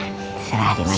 tempel setara dimana